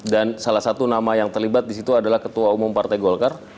dan salah satu nama yang terlibat di situ adalah ketua umum partai golkar